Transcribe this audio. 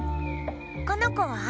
このこは？